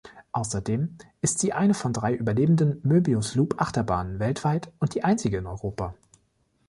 Außerdem ist sie eine von drei überlebenden Moebius-Loop-Achterbahnen weltweit und die einzige in Europa.